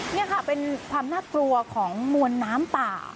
นี่ค่ะเป็นความน่ากลัวของมวลน้ำป่า